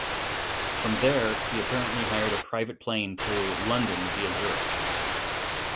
From there, he apparently hired a private plane to London via Zurich.